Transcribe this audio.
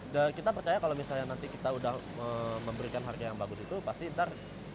dan kita percaya kalau misalnya nanti kita udah memberikan harga yang bagus itu pasti ntar